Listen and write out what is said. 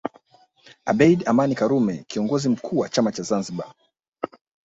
Abeid Aman Karume Kiongozi mkuu wa chama cha Zanzibar